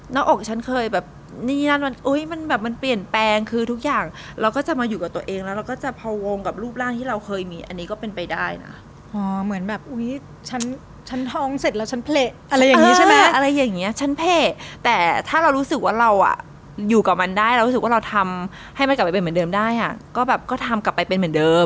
หน้าอกฉันเคยแบบนี่นั่นมันอุ๊ยมันแบบมันเปลี่ยนแปลงคือทุกอย่างเราก็จะมาอยู่กับตัวเองแล้วเราก็จะพวงกับรูปร่างที่เราเคยมีอันนี้ก็เป็นไปได้นะอ๋อเหมือนแบบอุ้ยฉันฉันท้องเสร็จแล้วฉันเละอะไรอย่างนี้ใช่ไหมอะไรอย่างเงี้ยฉันเพล่แต่ถ้าเรารู้สึกว่าเราอ่ะอยู่กับมันได้เรารู้สึกว่าเราทำให้มันกลับไปเป็นเหมือนเดิมได้อ่ะก็แบบก็ทำกลับไปเป็นเหมือนเดิม